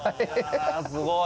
すごい。